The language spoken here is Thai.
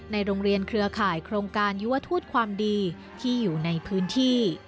โรงเรียนเครือข่ายโครงการยุวทูตความดีที่อยู่ในพื้นที่